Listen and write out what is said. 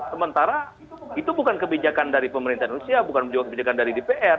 sementara itu bukan kebijakan dari pemerintah rusia bukan kebijakan dari dpr